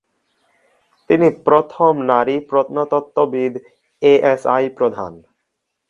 তিনি প্রথম নারী প্রত্নতত্ত্ববিদ এএসআই প্রধান।